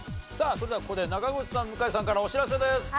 さあそれではここで中越さん向井さんからお知らせです。